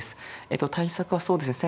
対策はそうですね